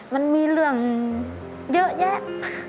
มันมีเรื่องเยอะแยะ